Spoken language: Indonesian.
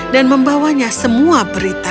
dan membawanya semua berita